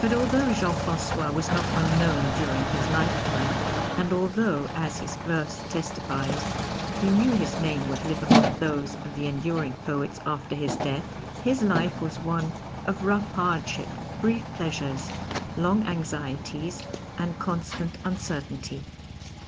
But although Jean Francois was not unknown during his lifetime, and although, as his verse testifies, he knew his name would live among those of the enduring poets after his death, his life was one of rough hardship, brief pleasures, long anxieties, and constant uncertainty.